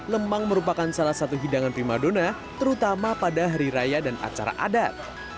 lemang merupakan salah satu hidangan primadona terutama pada hari raya dan acara adat